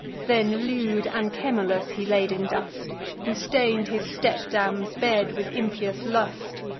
Then lewd Anchemolus he laid in dust, Who stain'd his stepdam's bed with impious lust.